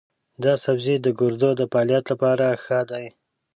دا سبزی د ګردو د فعالیت لپاره ښه دی.